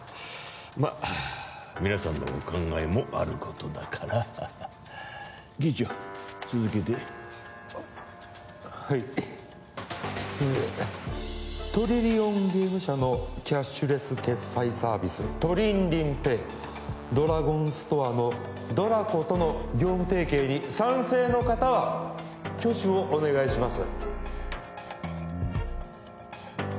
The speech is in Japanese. まあ皆さんのお考えもあることだから議長続けてあっはいええトリリオンゲーム社のキャッシュレス決済サービストリンリンＰａｙドラゴンストアのＤＲＡＣＯとの業務提携に賛成の方は挙手をお願いします